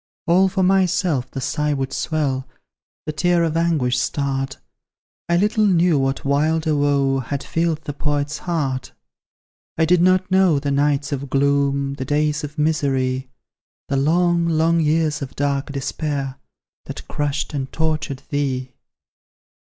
All for myself the sigh would swell, The tear of anguish start; I little knew what wilder woe Had filled the Poet's heart. I did not know the nights of gloom, The days of misery; The long, long years of dark despair, That crushed and tortured thee.